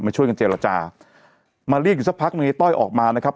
ช่วยกันเจรจามาเรียกอยู่สักพักหนึ่งในต้อยออกมานะครับ